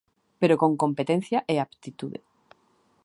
Pero con competencia e aptitude.